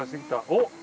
おっ！